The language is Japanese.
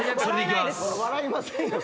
笑いませんよ。